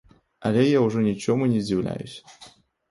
Але я ўжо нічому не здзіўляюся.